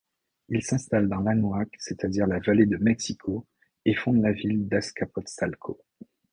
Ils s'installent dans l'Anahuac, c’est-à-dire la vallée de Mexico et fondent la ville d'Azcapotzalco.